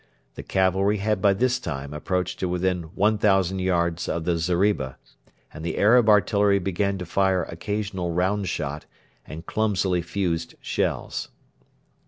The cavalry had by this time approached to within 1,000 yards of the zeriba, and the Arab artillery began to fire occasional round shot and clumsily fused shells.